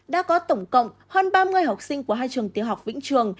đã có tổng cộng hơn ba mươi học sinh của hai trường tiểu học vĩnh trường